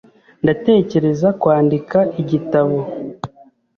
Ndatekereza kwandika igitabo .